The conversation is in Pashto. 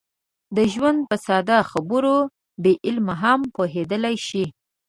د ژوند په ساده خبرو بې علمه هم پوهېدلی شي.